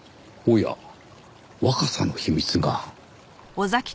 おや若さの秘密が？